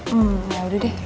hmm yaudah deh